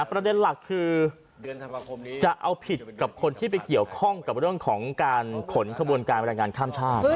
ประเด็นหลักคือจะเอาผิดกับคนที่ไปเกี่ยวข้องกับเรื่องของการขนขบวนการบรรยายงานข้ามชาติ